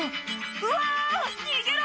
「うわ逃げろ！